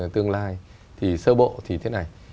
tương lai thì sơ bộ thì thế này